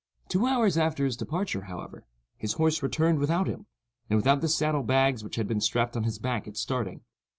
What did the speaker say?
Two hours after his departure, however, his horse returned without him, and without the saddle bags which had been strapped on his back at starting.